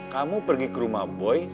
kamu pergi ke rumah boy